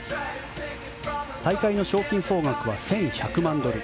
大会の賞金総額は１１００万ドル